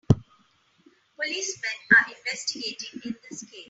Policemen are investigating in this case.